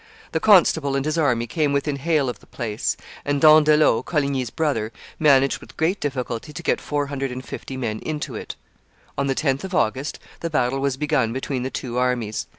The constable and his army came within hail of the place; and D'Andelot, Coligny's brother, managed with great difficulty to get four hundred and fifty men into it. On the 10th of August the battle was begun between the two armies.